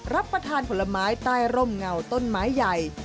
รับประทานผลไม้ใต้ร่มเงาต้นไม้ใหญ่